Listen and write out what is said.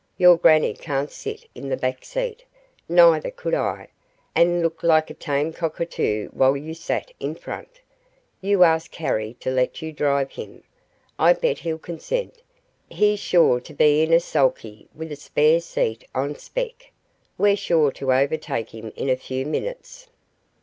Your grannie can't sit in the back seat neither could I and look like a tame cockatoo while you sat in front. You ask Harry to let you drive him. I bet he'll consent; he's sure to be in a sulky with a spare seat on spec. We're sure to overtake him in a few minutes."